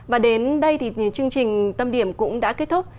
và đến đây thì chương trình tâm điểm cũng đã kết thúc